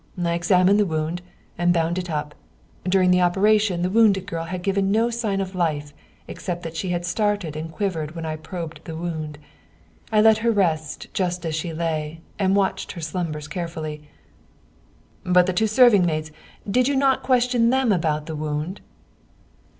I examined the wound, and bound it up. During the operation the wounded girl had given no sign of life except that she had started and quivered when I probed the wound. I let her rest just as she lay, and watched her slumbers carefully." " But the two serving maids did you not question them about the wound